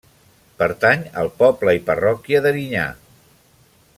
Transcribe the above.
Pertany al poble i parròquia d'Erinyà.